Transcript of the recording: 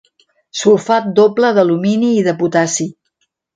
Sulfat doble d'alumini i de potassi.